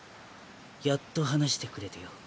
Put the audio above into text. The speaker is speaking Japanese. やっと話してくれてよ。